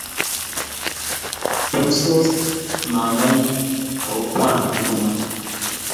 Bolsot mamaenyin ago Kwan nguno